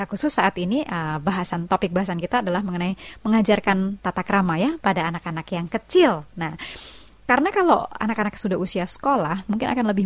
aku suka ceritakan karena banyak orang